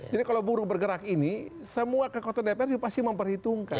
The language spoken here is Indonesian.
jadi kalau buru bergerak ini semua kekuatan dpr itu pasti memperhitungkan